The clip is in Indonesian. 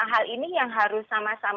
nah hal ini yang harus sama sama kita bangun